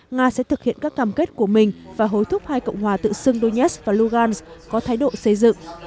nga sẽ thực hiện các cam kết của mình và hối thúc hai cộng hòa tự xưng donetsk và lugan có thái độ xây dựng